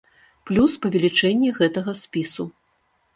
Плюс павелічэнне гэтага спісу.